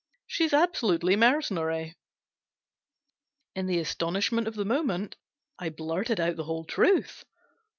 She's absolutely mercenary !" In the astonishment of the moment I blurted out the whole truth.